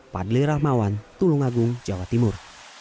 fadli rahmawan tulungagung jawa timur